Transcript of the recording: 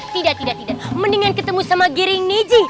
tidak tidak tidak mendingan ketemu sama giring neji